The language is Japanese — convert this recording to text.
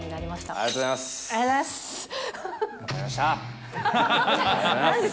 ありがとうございます。